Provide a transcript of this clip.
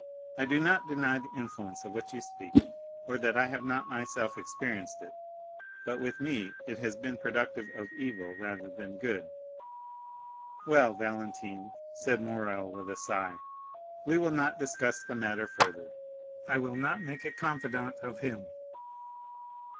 I do not deny the influence of which you speak, or that I have not myself experienced it, but with me it has been productive of evil rather than good." "Well, Valentine," said Morrel with a sigh, "we will not discuss the matter further. I will not make a confidant of him."